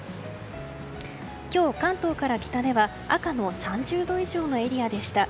今日、関東から北では赤の３０度以上のエリアでした。